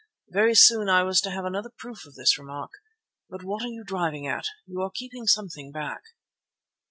(Very soon I was to have another proof of this remark.) "But what are you driving at? You are keeping something back."